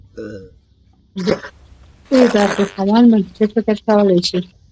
د ای برخې خاوند منطقي فکر کولی شي.